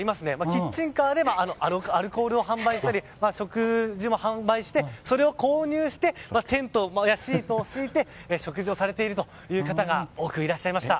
キッチンカーでアルコールを販売したり、食事も販売してそれを購入してテントやシートを敷いて食事をされているという方が多くいらっしゃいました。